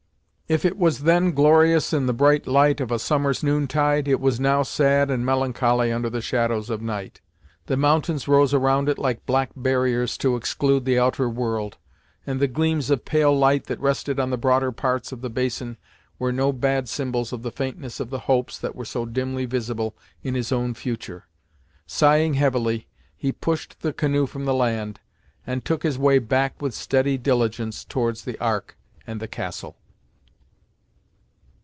If it was then glorious in the bright light of a summer's noon tide, it was now sad and melancholy under the shadows of night. The mountains rose around it like black barriers to exclude the outer world, and the gleams of pale light that rested on the broader parts of the basin were no bad symbols of the faintness of the hopes that were so dimly visible in his own future. Sighing heavily, he pushed the canoe from the land, and took his way back with steady diligence towards the Ark and the castle.